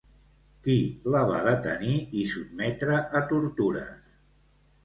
Qui la va detenir i sotmetre a tortures?